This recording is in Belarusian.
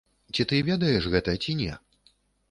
Ці ты ведаеш гэта, ці не?